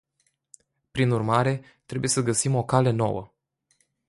Prin urmare, trebuie să găsim o cale nouă.